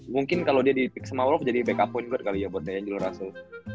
mungkin kalo dia di pick sama wolof jadi backup point buat angelo russell